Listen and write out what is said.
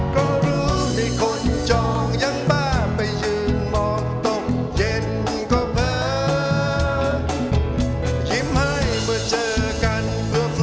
ขอบคุณครับ